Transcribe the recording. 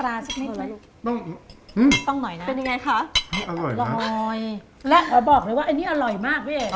อันนี้คืออันนี้คือ